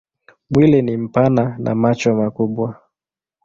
Mwili ni mpana na macho makubwa.